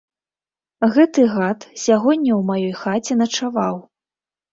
Гэты гад сягоння ў маёй хаце начаваў.